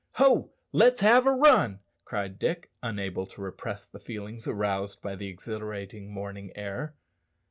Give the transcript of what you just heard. "Ho, let's have a run!" cried Dick, unable to repress the feelings aroused by the exhilarating morning air.